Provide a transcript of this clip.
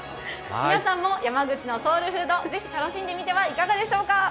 皆さんも山口のソウルフード、楽しんでみてはいかがでしょうか。